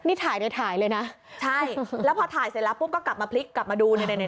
นี่ถ่ายเลยถ่ายเลยนะใช่แล้วพอถ่ายเสร็จแล้วปุ๊บก็กลับมาพลิกกลับมาดูเนี่ย